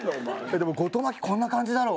でも後藤真希こんな感じだろ。